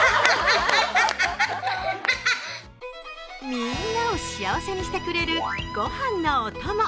みんなを幸せにしてくれるご飯のおとも。